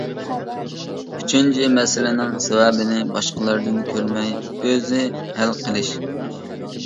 ئۈچىنچى، مەسىلىنىڭ سەۋەبىنى باشقىلاردىن كۆرمەي ئۆزى ھەل قىلىش.